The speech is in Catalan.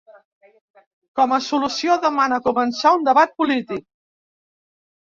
Com a solució, demana començar ‘un debat polític’.